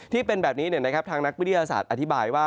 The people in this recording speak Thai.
ที่เป็นแบบนี้ทางนักวิทยาศาสตร์อธิบายว่า